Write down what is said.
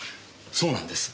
そうなんです。